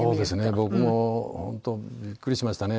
僕も本当ビックリしましたね。